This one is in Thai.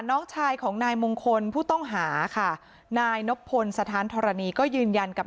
น้องชายของนายมงคลผู้ต้องหาค่ะนายนบพลสถานธรณีก็ยืนยันกับ